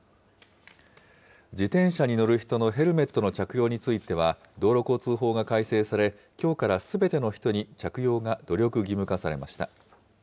自転車に乗る人のヘルメットの着用については、道路交通法が改正され、きょうからすべての人に着用が努力義務化されました。